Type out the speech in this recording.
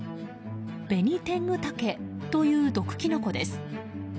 ベニテングタケという毒キノコです。